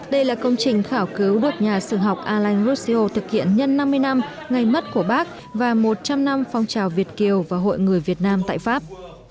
đây là công trình khảo cứu được nhà sư học alain gossio thực hiện nhân năm mươi năm ngày mất của bác và một trăm linh năm phong trào việt kiều và hội người việt nam tại pháp